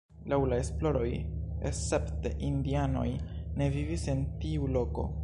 Laŭ la esploroj escepte indianoj ne vivis en tiu loko.